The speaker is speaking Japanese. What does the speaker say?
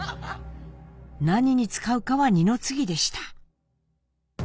何に使うかは二の次でした。